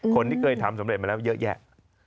คนที่เคยทำสำเร็จมาแล้วเยอะแยะ